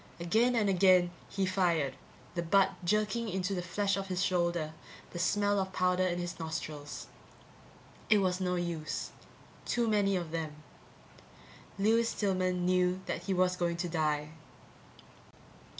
Again and again he fired, the butt jerking into the flesh of his shoulder, the smell of powder in his nostrils. It was no use. Too many of them. Lewis Stillman knew that he was going to die.